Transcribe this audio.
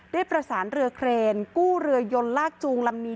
ได้ประสานเรือเครนกู้เรือยนลากจูงลำนี้